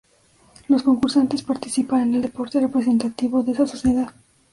Los concursantes participan en el deporte representativo de esa sociedad.